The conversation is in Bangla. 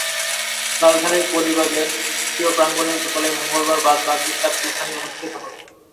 রাজধানীর পরীবাগের প্রিয় প্রাঙ্গণের দোতলায় মঙ্গলবার বাদ মাগরিব তাঁর কুলখানি অনুষ্ঠিত হবে।